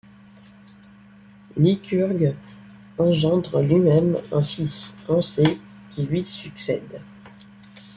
Lycurgue engendre lui-même un fils, Ancée, qui lui succède.